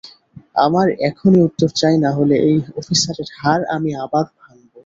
আমার এখনই উত্তর চাই নাহলে এই অফিসারের হাড় আমি আবার ভাঙব।